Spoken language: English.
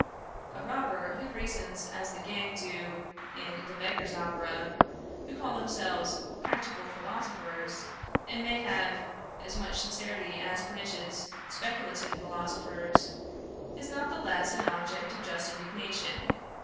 A robber who reasons as the gang do in the Beggar's Opera, who call themselves practical philosophers, and may have as much sincerity as pernicious speculative philosophers, is not the less an object of just indignation.